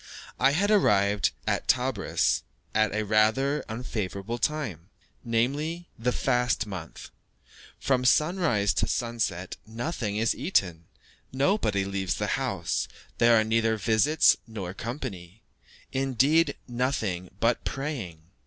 I had arrived at Tebris at a rather unfavourable time namely, the fast month. From sunrise to sunset nothing is eaten, nobody leaves the house, there are neither visits nor company indeed, nothing but praying.